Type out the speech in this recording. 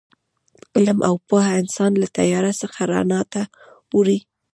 علم او پوهه انسان له تیاره څخه رڼا ته وړي.